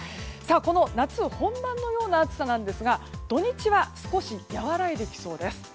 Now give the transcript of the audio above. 夏本番のような暑さですが土日は少し和らいできそうです。